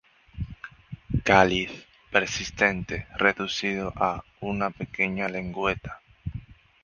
Cáliz persistente reducido a una pequeña lengüeta.